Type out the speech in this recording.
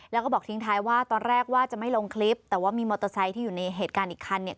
แล้วก็บอกทิ้งท้ายว่าตอนแรกว่าจะไม่ลงคลิปแต่ว่ามีมอเตอร์ไซค์ที่อยู่ในเหตุการณ์อีกคันเนี่ย